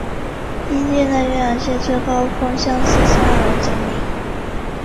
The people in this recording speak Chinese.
因境内岳阳县最高峰相思山而得名。